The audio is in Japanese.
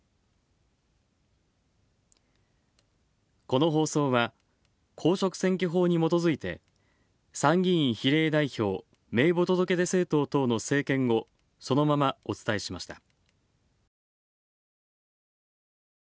この放送は、公職選挙法にもとづいて参議院比例代表名簿届出政党等の政見をそのままお伝えしました。